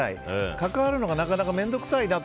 関わるのがなかなか面倒くさいなと。